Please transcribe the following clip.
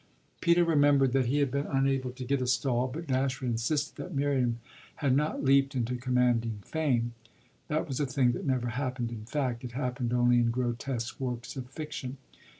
Peter remembered that he had been unable to get a stall, but Dashwood insisted that "Miriam" had not leaped into commanding fame: that was a thing that never happened in fact it happened only in grotesque works of fiction.